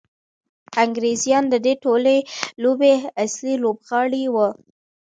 انګریزان د دې ټولې لوبې اصلي لوبغاړي وو.